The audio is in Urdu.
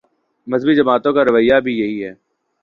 مذہبی جماعتوں کا رویہ بھی یہی ہے۔